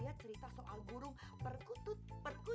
dan siapkan burung manawives bentar oke